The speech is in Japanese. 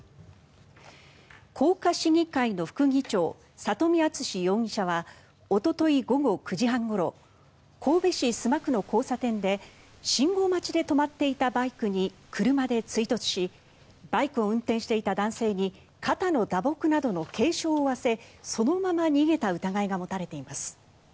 甲賀市議会の副議長里見淳容疑者はおととい午後９時半ごろ神戸市須磨区の交差点で信号待ちで止まっていたバイクに車で追突しバイクを運転していた男性に肩の打撲などの軽傷を負わせそのまま逃げた疑いが持たれています。